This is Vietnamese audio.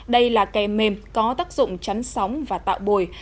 đây là kè mềm có tác dụng chắn sóng và tạo bồi